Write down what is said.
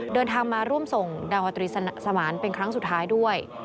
เดินทางมาร่วมส่งดาวตรีสมานเป็นครั้งสุดท้ายด้วย